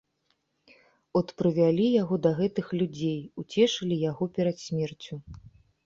От прывялі яго да гэтых людзей, уцешылі яго перад смерцю.